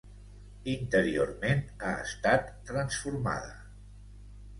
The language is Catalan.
Interiorment ha estat transformada.